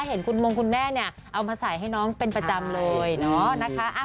เห็นคุณมงคุณแม่เนี่ยเอามาใส่ให้น้องเป็นประจำเลยเนาะนะคะ